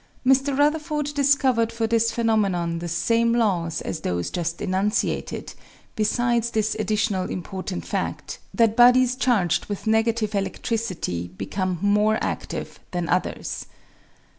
Mr. Rutherford discovered for this phenomenon the same laws as those just enunciated, besides this additional important fad, that bodies charged with negative eledricity become more adive than others.